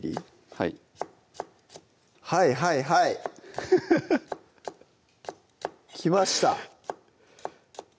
はいはいはいはいハハハきました